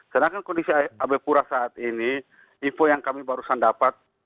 sedangkan kondisi abe pura saat ini info yang kami barusan dapat